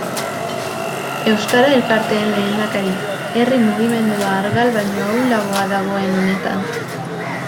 Euskara elkarteen lehendakari, herri mugimendua argal baino ahulago dagoen honetan.